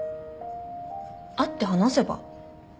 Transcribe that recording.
会って話せば？